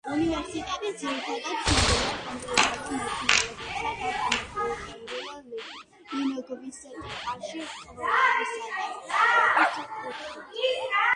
უნივერსიტეტი ძირითადად ცნობილია კომპიუტერულ მეცნიერებებსა და კომპიუტერულ ლინგვისტიკაში კვლევისა და სწავლების კუთხით.